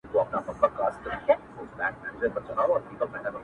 خپـله گرانـه مړه مي په وجود كي ده ـ